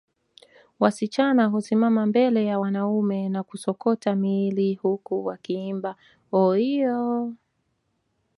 Wasichana husimama mbele ya wanaume na kusokota miili huku wakiimba Oiiiyo